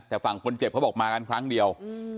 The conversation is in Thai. แต่ฝั่งคนเจ็บเขาบอกมากันครั้งเดียว